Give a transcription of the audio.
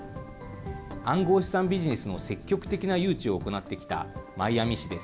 暗号資産ビジネスの積極的な誘致を行ってきたマイアミ市です。